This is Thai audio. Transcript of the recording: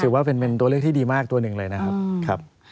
ถือว่าเป็นตัวเลขที่ดีมากตัวหนึ่งเลยนะครับ